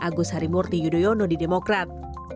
agus harimurti yudhoyono di demokrat